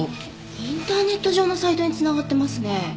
インターネット上のサイトにつながってますね。